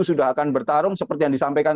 sudah akan bertarung seperti yang disampaikan